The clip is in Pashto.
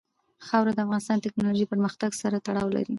خاوره د افغانستان د تکنالوژۍ پرمختګ سره تړاو لري.